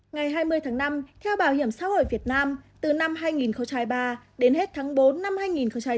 ngày hai mươi tháng năm theo bảo hiểm xã hội việt nam từ năm hai nghìn ba đến hết tháng bốn năm hai nghìn bốn